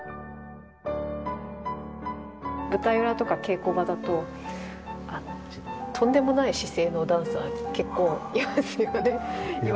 舞台裏とか稽古場だととんでもない姿勢のダンサーが結構いますよね。